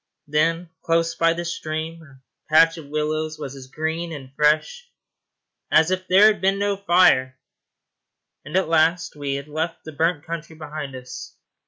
Then, close by the stream, a patch of willows was as green and fresh as if there had been no fire; and at last we had left the burnt country behind us.